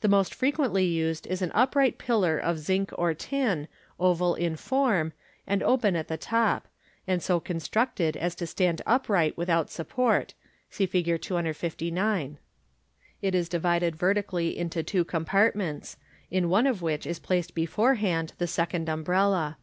That most fre quently used is an upright pillar of zinc or tin, oval in form, and open .it the top, and so constructed as to stand upright without support (see Fig. 259). It is divided vertically into two compartments, in one of which is placed beforehand the second umbrella.